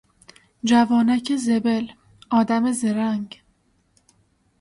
جوانک زبل، آدم زرنگ